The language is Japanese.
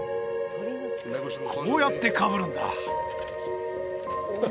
こうやってかぶるんだ